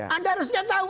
anda harusnya tahu